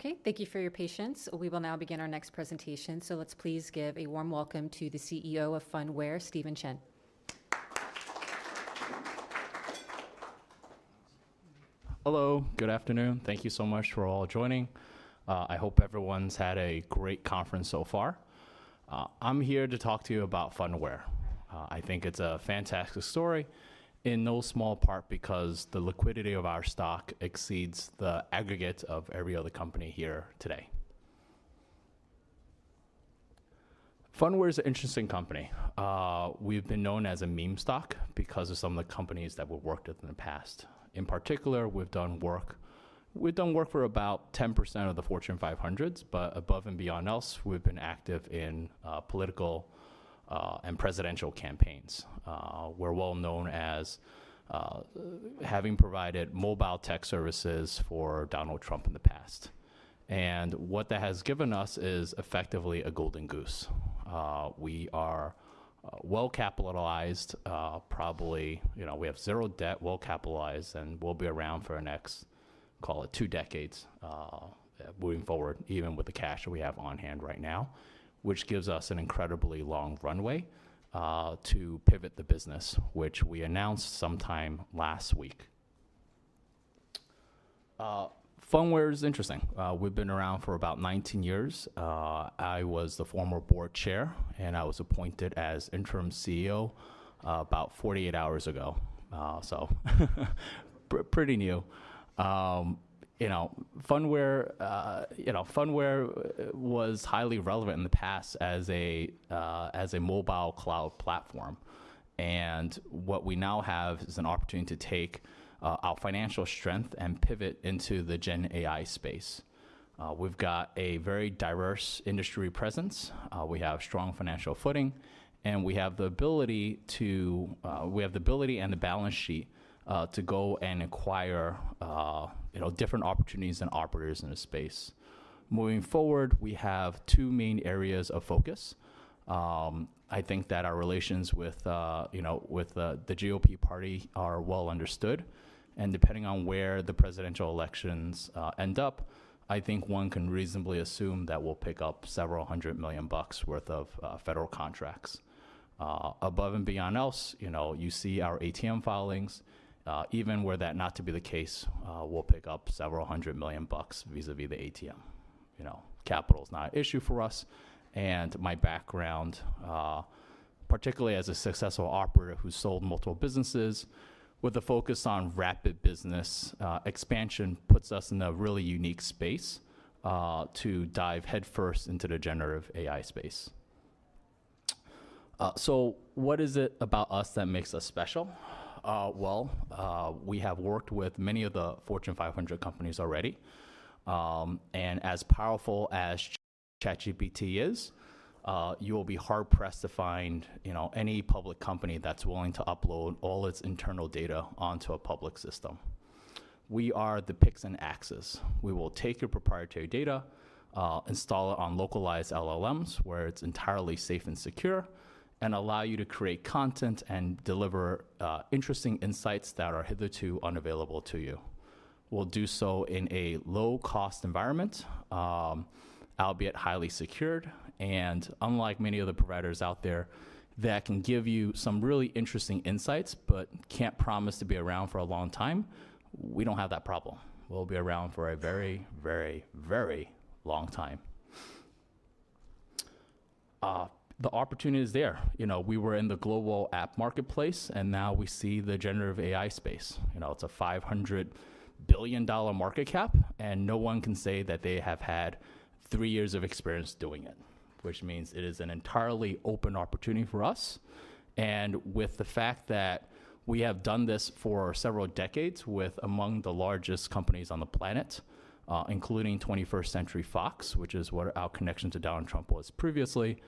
Okay, thank you for your patience. We will now begin our next presentation, so let's please give a warm welcome to the CEO of Phunware, Stephen Chen. Hello, good afternoon. Thank you so much for all joining. I hope everyone's had a great conference so far. I'm here to talk to you about Phunware. I think it's a fantastic story, in no small part because the liquidity of our stock exceeds the aggregate of every other company here today. Phunware is an interesting company. We've been known as a meme stock because of some of the companies that we've worked with in the past. In particular, we've done work for about 10% of the Fortune 500s, but above and beyond else, we've been active in political and presidential campaigns. We're well known as having provided mobile tech services for Donald Trump in the past. What that has given us is effectively a golden goose. We are well-capitalized, probably, you know, we have zero debt, well-capitalized, and we'll be around for the next, call it, two decades moving forward, even with the cash that we have on hand right now, which gives us an incredibly long runway to pivot the business, which we announced sometime last week. Phunware is interesting. We've been around for about 19 years. I was the former board chair, and I was appointed as Interim CEO about 48 hours ago, so pretty new. You know, Phunware was highly relevant in the past as a mobile cloud platform. And what we now have is an opportunity to take our financial strength and pivot into the Gen AI space. We've got a very diverse industry presence. We have strong financial footing, and we have the ability and the balance sheet to go and acquire different opportunities and operators in the space. Moving forward, we have two main areas of focus. I think that our relations with the GOP party are well understood. And depending on where the presidential elections end up, I think one can reasonably assume that we'll pick up $several hundred million worth of federal contracts. Above and beyond else, you see our ATM filings. Even were that not to be the case, we'll pick up $several hundred million vis-à-vis the ATM. Capital is not an issue for us. And my background, particularly as a successful operator who's sold multiple businesses with a focus on rapid business expansion, puts us in a really unique space to dive headfirst into the generative AI space. So what is it about us that makes us special? Well, we have worked with many of the Fortune 500 companies already. And as powerful as ChatGPT is, you will be hard-pressed to find any public company that's willing to upload all its internal data onto a public system. We are the picks and shovels. We will take your proprietary data, install it on localized LLMs where it's entirely safe and secure, and allow you to create content and deliver interesting insights that are hitherto unavailable to you. We'll do so in a low-cost environment, albeit highly secured. And unlike many of the providers out there that can give you some really interesting insights but can't promise to be around for a long time, we don't have that problem. We'll be around for a very, very, very long time. The opportunity is there. We were in the global app marketplace, and now we see the generative AI space. It's a $500 billion market cap, and no one can say that they have had three years of experience doing it, which means it is an entirely open opportunity for us. And with the fact that we have done this for several decades with among the largest companies on the planet, including 21st Century Fox, which is what our connection to Donald Trump was previously,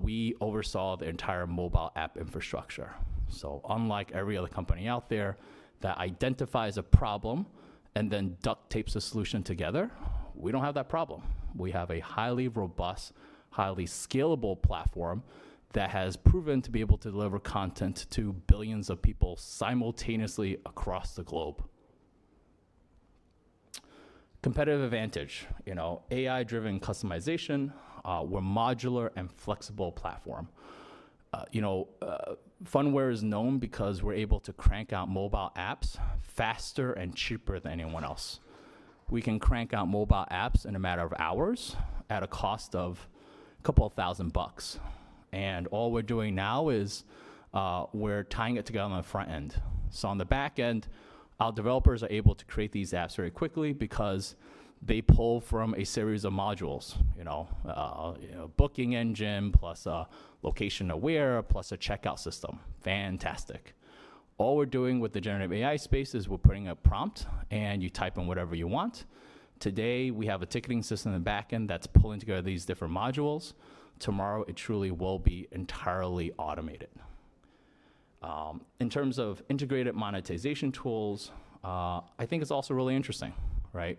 we oversaw the entire mobile app infrastructure. So unlike every other company out there that identifies a problem and then duct tapes a solution together, we don't have that problem. We have a highly robust, highly scalable platform that has proven to be able to deliver content to billions of people simultaneously across the globe. Competitive advantage, AI-driven customization. We're a modular and flexible platform. Phunware is known because we're able to crank out mobile apps faster and cheaper than anyone else. We can crank out mobile apps in a matter of hours at a cost of $2,000. And all we're doing now is we're tying it together on the front end, so on the back end, our developers are able to create these apps very quickly because they pull from a series of modules, a booking engine plus a location aware plus a checkout system. Fantastic. All we're doing with the Generative AI space is we're putting a prompt, and you type in whatever you want. Today, we have a ticketing system in the back end that's pulling together these different modules. Tomorrow, it truly will be entirely automated. In terms of integrated monetization tools, I think it's also really interesting.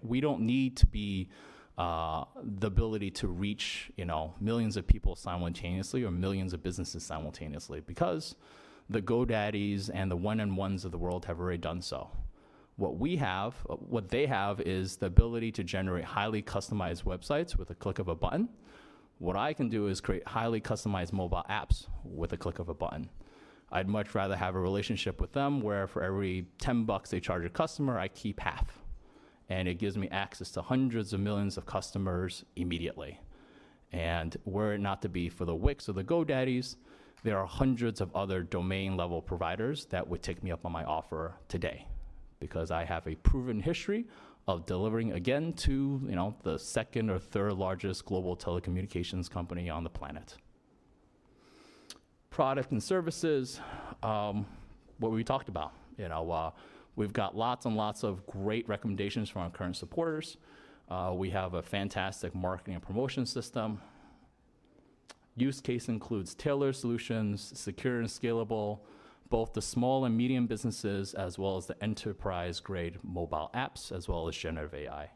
We don't need to be the ability to reach millions of people simultaneously or millions of businesses simultaneously because the s and the 1&1s of the world have already done so. What we have, what they have is the ability to generate highly customized websites with a click of a button. What I can do is create highly customized mobile apps with a click of a button. I'd much rather have a relationship with them where for every $10 they charge a customer, I keep $5, and it gives me access to hundreds of millions of customers immediately, and were it not to be for the Wix or the GoDaddys, there are hundreds of other domain-level providers that would take me up on my offer today because I have a proven history of delivering, again, to the second or third largest global telecommunications company on the planet. Products and services, what we talked about. We've got lots and lots of great recommendations from our current supporters. We have a fantastic marketing and promotion system. Use cases include tailored solutions, secure and scalable, both the small and medium businesses, as well as the enterprise-grade mobile apps, as well as Generative AI.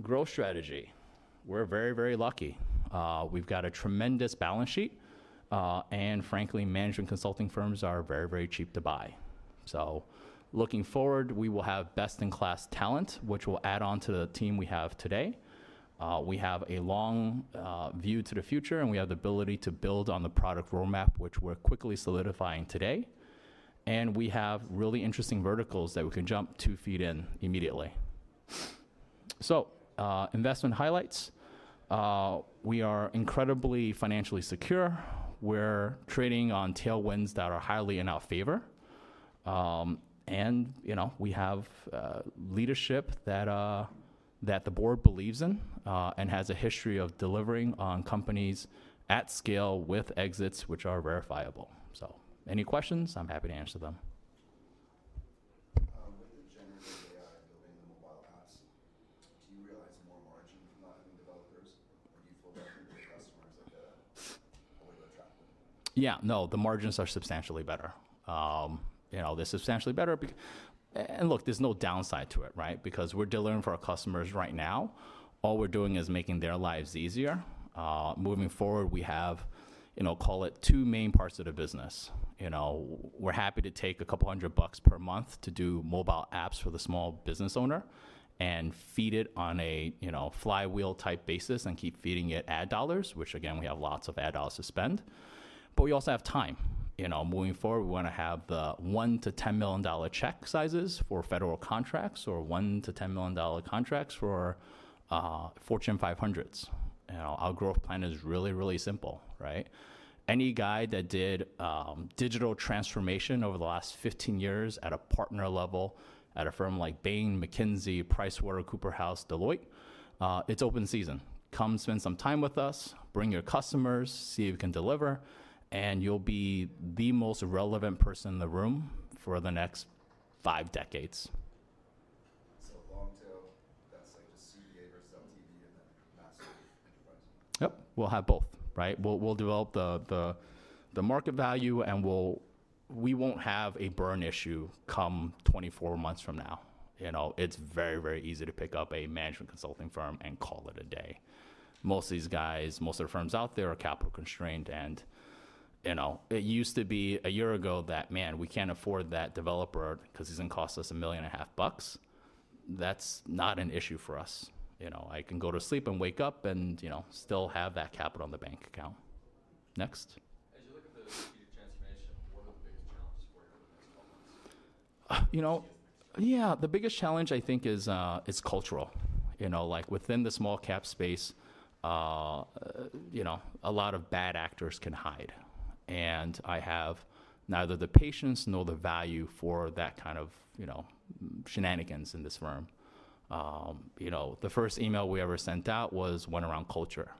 Growth strategy. We're very, very lucky. We've got a tremendous balance sheet. And frankly, management consulting firms are very, very cheap to buy. So looking forward, we will have best-in-class talent, which will add on to the team we have today. We have a long view to the future, and we have the ability to build on the product roadmap, which we're quickly solidifying today. And we have really interesting verticals that we can jump two feet in immediately. So investment highlights. We are incredibly financially secure. We're trading on tailwinds that are highly in our favor. We have leadership that the board believes in and has a history of delivering on companies at scale with exits which are verifiable. Any questions? I'm happy to answer them. With the generative AI building the mobile apps, do you realize more margin from that from developers, or do you feel that's going to be a customer's way to attract them? Yeah, no, the margins are substantially better. They're substantially better, and look, there's no downside to it, right? Because we're delivering for our customers right now. All we're doing is making their lives easier. Moving forward, we have, call it, two main parts of the business. We're happy to take $200 per month to do mobile apps for the small business owner and feed it on a flywheel-type basis and keep feeding it ad dollars, which, again, we have lots of ad dollars to spend, but we also have time. Moving forward, we want to have the $1-$10 million check sizes for federal contracts or $1-$10 million contracts for Fortune 500s. Our growth plan is really, really simple. Any guy that did digital transformation over the last 15 years at a partner level at a firm like Bain, McKinsey, PricewaterhouseCoopers, Deloitte. It's open season. Come spend some time with us, bring your customers, see if you can deliver, and you'll be the most relevant person in the room for the next five decades. Long tail, that's like just CBA versus LTV and then massive enterprise? Yep, we'll have both. We'll develop the market value, and we won't have a burn issue come 24 months from now. It's very, very easy to pick up a management consulting firm and call it a day. Most of these guys, most of the firms out there are capital constrained, and it used to be a year ago that, man, we can't afford that developer because he's going to cost us $1.5 million. That's not an issue for us. I can go to sleep and wake up and still have that capital on the bank account. Next. As you look at the future transformation, what are the biggest challenges for you over the next 12 months? Yeah, the biggest challenge, I think, is cultural. Within the small cap space, a lot of bad actors can hide. And I have neither the patience nor the tolerance for that kind of shenanigans in this firm. The first email we ever sent out went around culture.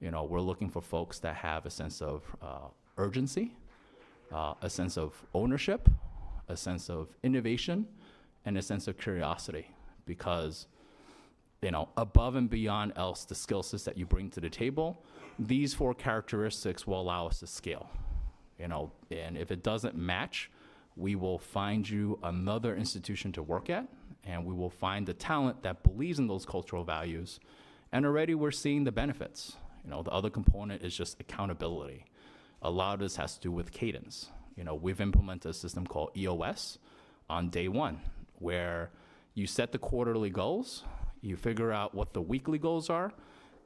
We're looking for folks that have a sense of urgency, a sense of ownership, a sense of innovation, and a sense of curiosity. Because above all else, the skill sets that you bring to the table, these four characteristics will allow us to scale. And if it doesn't match, we will find you another institution to work at, and we will find the talent that believes in those cultural values. And already, we're seeing the benefits. The other component is just accountability. A lot of this has to do with cadence. We've implemented a system called EOS on day one, where you set the quarterly goals, you figure out what the weekly goals are,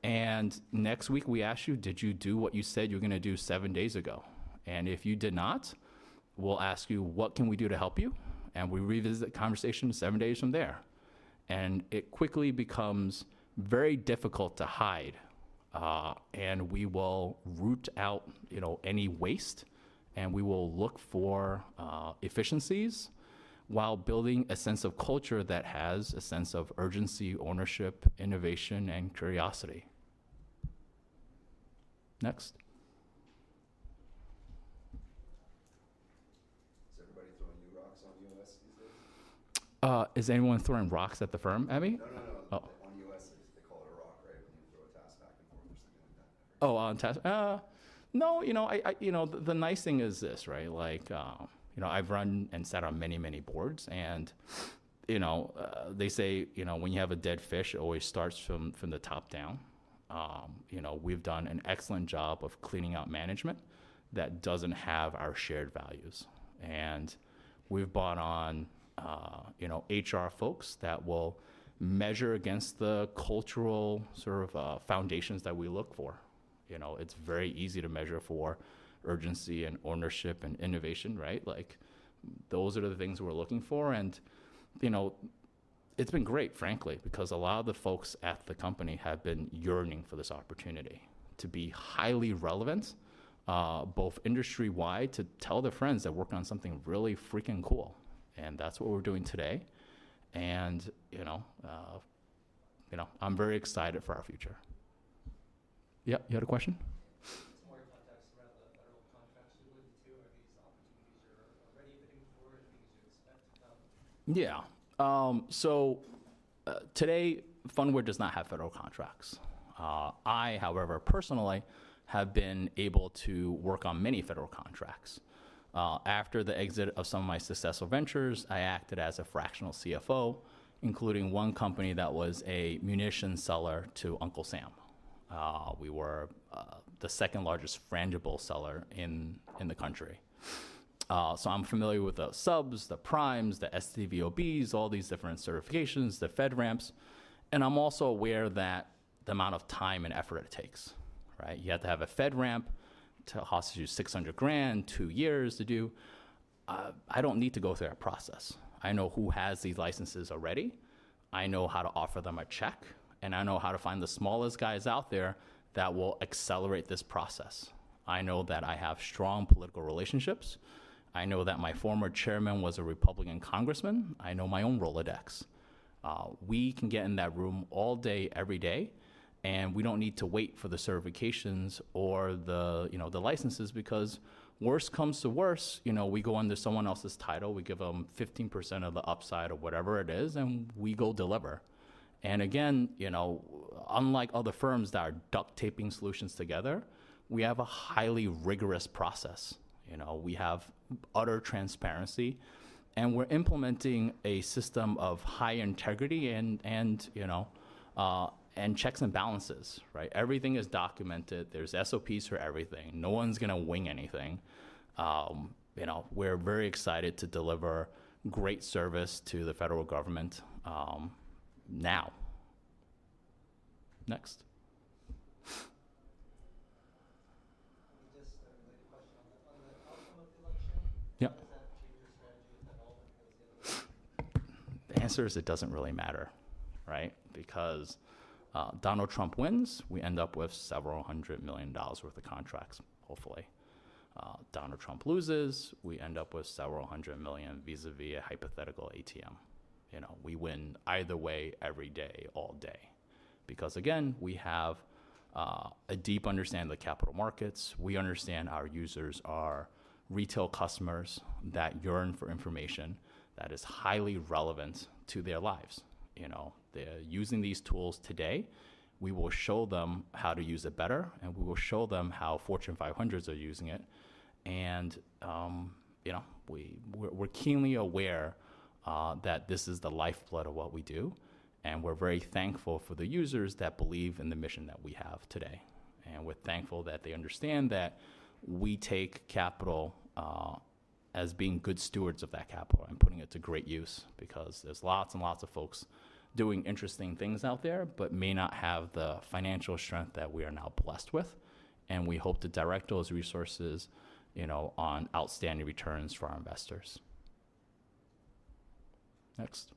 and next week, we ask you, did you do what you said you were going to do seven days ago? And if you did not, we'll ask you, what can we do to help you? And we revisit the conversation seven days from there. And it quickly becomes very difficult to hide. And we will root out any waste, and we will look for efficiencies while building a sense of culture that has a sense of urgency, ownership, innovation, and curiosity. Next. Is everybody throwing new rocks on EOS these days? Is anyone throwing rocks at the firm, Abby? No, no, no. On EOS, they call it a rock, right? When you throw a task back and forth or something like that. Oh, on task. No, the nice thing is this, right? I've run and sat on many, many boards, and they say when you have a dead fish, it always starts from the top down. We've done an excellent job of cleaning out management that doesn't have our shared values. And we've brought on HR folks that will measure against the cultural sort of foundations that we look for. It's very easy to measure for urgency and ownership and innovation, right? Those are the things we're looking for. And it's been great, frankly, because a lot of the folks at the company have been yearning for this opportunity to be highly relevant, both industry-wide, to tell their friends that we're working on something really freaking cool. And that's what we're doing today. And I'm very excited for our future. Yeah, you had a question? Some more context around the federal contracts you're looking to. Are these opportunities already bidding for? Anything you should expect to come? Yeah. So today, Phunware does not have federal contracts. I, however, personally have been able to work on many federal contracts. After the exit of some of my successful ventures, I acted as a fractional CFO, including one company that was a munitions seller to Uncle Sam. We were the second largest frangible seller in the country. So I'm familiar with the subs, the primes, the SDVOSBs, all these different certifications, the FedRAMPs. And I'm also aware of the amount of time and effort it takes. You have to have a FedRAMP to cost you $600,000, two years to do. I don't need to go through that process. I know who has these licenses already. I know how to offer them a check, and I know how to find the smallest guys out there that will accelerate this process. I know that I have strong political relationships. I know that my former chairman was a Republican congressman. I know my own Rolodex. We can get in that room all day, every day, and we don't need to wait for the certifications or the licenses because worst comes to worst. We go under someone else's title. We give them 15% of the upside or whatever it is, and we go deliver. And again, unlike other firms that are duct taping solutions together, we have a highly rigorous process. We have utter transparency, and we're implementing a system of high integrity and checks and balances. Everything is documented. There's SOPs for everything. No one's going to wing anything. We're very excited to deliver great service to the federal government now. Next. Just a question on the outcome of the election. Yeah. Is that changing the strategy with that all because the other? The answer is it doesn't really matter, right? Because Donald Trump wins, we end up with several hundred million dollars' worth of contracts, hopefully. Donald Trump loses, we end up with several hundred million vis-à-vis a hypothetical ATM. We win either way, every day, all day. Because again, we have a deep understanding of the capital markets. We understand our users are retail customers that yearn for information that is highly relevant to their lives. They're using these tools today. We will show them how to use it better, and we will show them how Fortune 500s are using it, and we're keenly aware that this is the lifeblood of what we do, and we're very thankful for the users that believe in the mission that we have today. And we're thankful that they understand that we take capital as being good stewards of that capital and putting it to great use because there's lots and lots of folks doing interesting things out there but may not have the financial strength that we are now blessed with. And we hope to direct those resources on outstanding returns for our investors. Next.